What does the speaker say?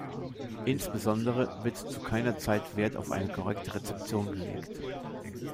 Insbesondere wird zu keiner Zeit Wert auf eine korrekte Rezeption gelegt.